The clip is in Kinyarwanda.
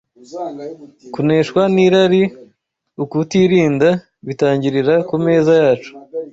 Kuneshwa n’Irari Ukutirinda bitangirira ku meza yacu